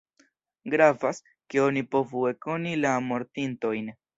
Gravas, ke oni povu ekkoni la mortintojn.